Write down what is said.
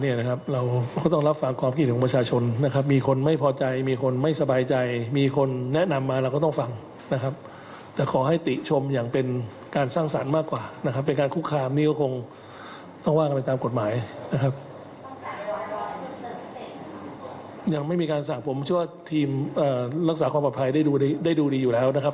ยังไม่มีการสั่งผมเพราะว่าทีมรักษาความปลอบภัยได้ดูดีอยู่แล้วนะครับ